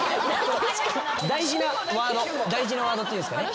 大事なワード大事なワードっていうんすかね。